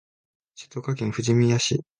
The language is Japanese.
静岡県富士宮市